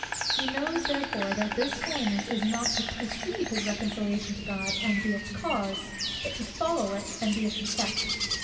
He knows therefore that this holiness is not to_ PRECEDE his reconciliation to God, and be its CAUSE; but to FOLLOW it, and be its EFFECT.